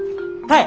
はい。